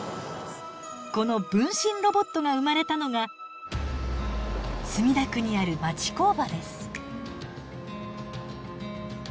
この分身ロボットが生まれたのが墨田区にある町工場です。